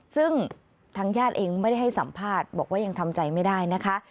ซึ่งทางญาติเองไม่ได้ให้สัมภาษณ์บอกว่ายังทำใจไม่ได้นะคะ